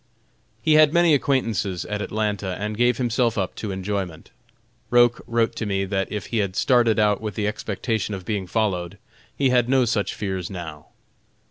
He had many acquaintances at Atlanta, and gave himself up to enjoyment. Roch wrote to me that if he had started out with the expectation of being followed, he had no such fears now.